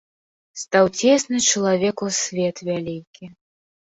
Стаў цесны чалавеку свет вялікі.